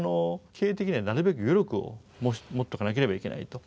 経営的にはなるべく余力を持っとかなければいけないと。